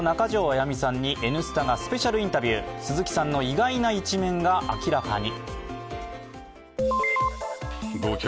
やみさんに「Ｎスタ」がスペシャルインタビュー鈴木さんの意外な一面が明らかに。